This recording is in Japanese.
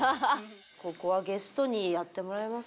ここはゲストにやってもらいます？